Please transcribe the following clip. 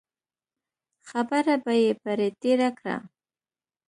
خبره به یې پرې تېره کړه.